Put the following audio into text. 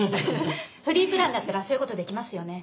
フリープランだったらそういうことできますよね？